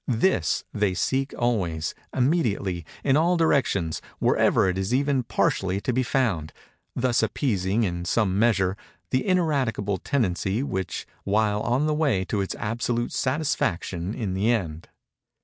This they seek always—immediately—in all directions—wherever it is even partially to be found; thus appeasing, in some measure, the ineradicable tendency, while on the way to its absolute satisfaction in the end.